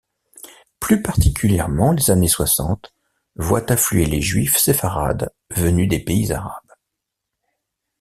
Plus particulièrement, les années Soixante voient affluer les juifs sépharades venus des pays arabes.